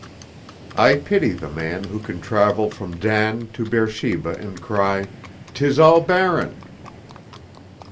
IX I pity the man who can travel from Dan to Beersheba and cry, "'Tis all barren."